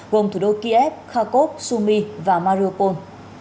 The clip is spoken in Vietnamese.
gồm thủ đô kiev kharkov sumy và mariupol